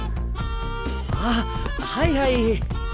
あはいはい。